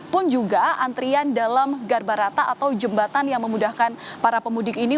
pun juga antrian dalam garbarata atau jembatan yang memudahkan para pemudik ini